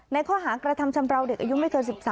ในข้อหากระทำชำราวเด็กอายุไม่เกิน๑๓